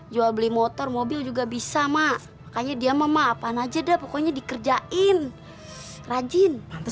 jual beli motor mobil juga bisa makanya dia mama apaan aja deh pokoknya dikerjain rajin